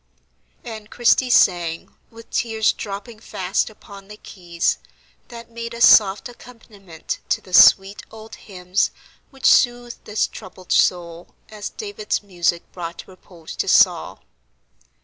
And Christie sang, with tears dropping fast upon the keys, that made a soft accompaniment to the sweet old hymns which soothed this troubled soul as David's music brought repose to Saul.